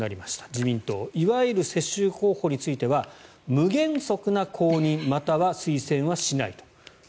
自民党はいわゆる世襲候補については無原則な公認または推薦はしないと。